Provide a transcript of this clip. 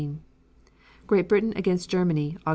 Great Britain against Germany, Aug.